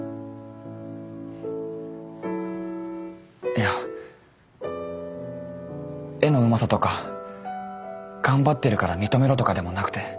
いや絵のうまさとか頑張ってるから認めろとかでもなくて。